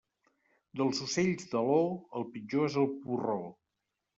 Dels ocells d'aló, el pitjor és el porró.